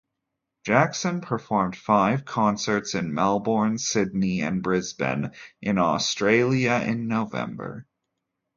Jackson performed five concerts in Melbourne, Sydney and Brisbane in Australia in November.